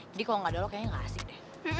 jadi kalau gak ada lo kayaknya gak asik deh